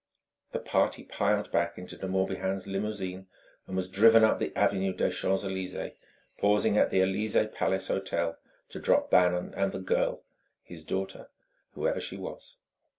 The party piled back into De Morbihan's limousine and was driven up the avenue des Champs Élysées, pausing at the Élysée Palace Hotel to drop Bannon and the girl his daughter? whoever she was!